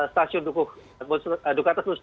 stasiun dukuh atas